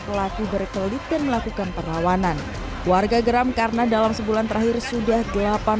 pelaku berkelit dan melakukan perlawanan warga geram karena dalam sebulan terakhir sudah delapan